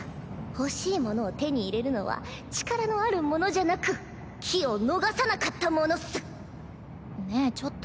欲しいものを手に入れるのは力のある者じゃなく機を逃さなかった者っスねえちょっと。